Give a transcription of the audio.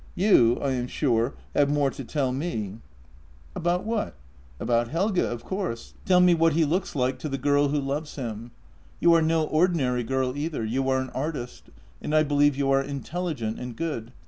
You, I am sure, have more to tell me." JENNY 136 " About what? "" About Helge, of course. Tell me what he looks like to the girl who loves him. You are no ordinary girl either — you are an artist — and I believe you are intelligent and good.